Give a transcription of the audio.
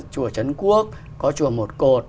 chùa trấn quốc có chùa một cột